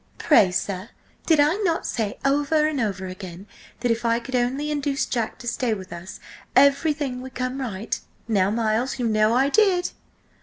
"Pray, sir, did I not say over and over again that if I could only induce Jack to stay with us everything would come right? Now, Miles, you know I did!"